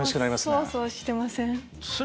そわそわしてません？